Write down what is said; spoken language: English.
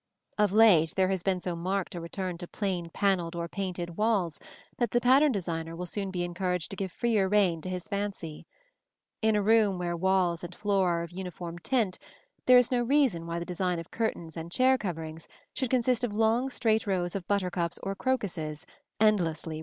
Of late there has been so marked a return to plain panelled or painted walls that the pattern designer will soon be encouraged to give freer rein to his fancy. In a room where walls and floor are of uniform tint, there is no reason why the design of curtains and chair coverings should consist of long straight rows of buttercups or crocuses, endlessly repeated.